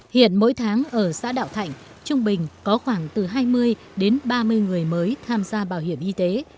hiện mỗi tháng ở xã đạo thạnh trung bình có khoảng từ hai mươi đến ba mươi người mới tham gia bảo hiểm y tế